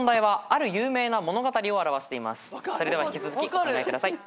それでは引き続きお考えください。